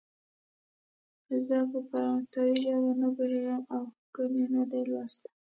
زه پر فرانسوي ژبه نه پوهېږم او هوګو مې نه دی لوستی.